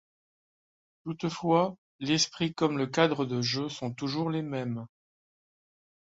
Toutefois, l'esprit comme le cadre de jeu sont toujours les mêmes.